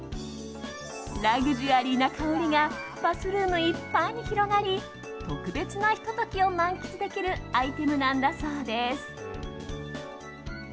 ラグジュアリーな香りがバスルームいっぱいに広がり特別なひと時を満喫できるアイテムなんだそうです。